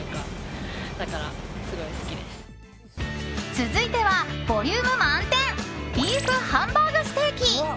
続いては、ボリューム満点ビーフハンバーグステーキ。